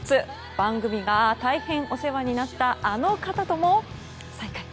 番組が大変お世話になったあの方とも再会。